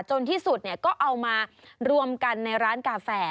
ที่สุดก็เอามารวมกันในร้านกาแฟ